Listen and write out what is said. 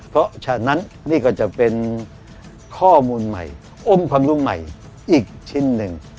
เพราะฉะนั้นนี่ก็จะเป็นข้อมูลใหม่อมความรู้ใหม่อีกชิ้นหนึ่ง